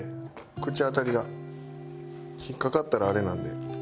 口当たりが引っかかったらあれなんで。